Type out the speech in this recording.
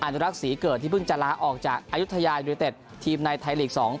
นุรักษ์ศรีเกิดที่เพิ่งจะลาออกจากอายุทยายูนิเต็ดทีมในไทยลีก๒๐